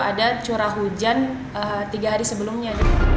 ada curah hujan tiga hari sebelumnya